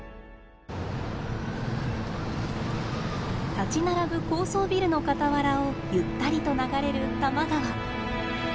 建ち並ぶ高層ビルの傍らをゆったりと流れる多摩川。